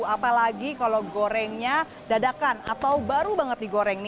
apalagi kalau gorengnya dadakan atau baru banget digoreng